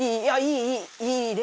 いい、いい！